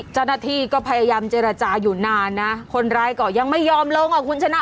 เจ้าหน้าที่ก็พยายามเจรจาอยู่นานนะคนร้ายก็ยังไม่ยอมลงอ่ะคุณชนะ